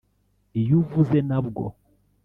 Iyo uvuze nabwo